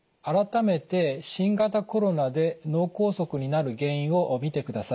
改めて新型コロナで脳梗塞になる原因を見てください。